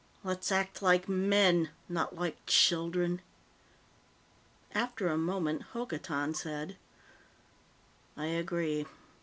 "Let's act like men not like children!" After a moment, Hokotan said: "I agree."